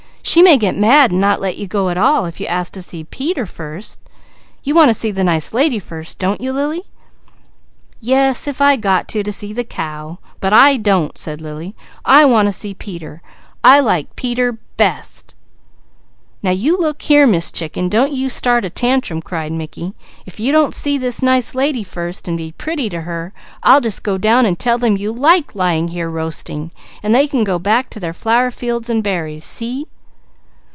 She may get mad and not let you go at all, if you ask to see Peter first. You want to see the nice lady first, don't you Lily?" "Yes, if I got to, to see the cow. But I don't!" said Lily. "I want to see Peter. I like Peter the best." "Now you look here Miss Chicken, don't you start a tantrum!" cried Mickey. "If you don't see this nice lady first and be pretty to her, I'll just go down and tell them you like lying here roasting, and they can go back to their flower fields and berries. See?"